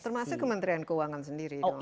termasuk kementerian keuangan sendiri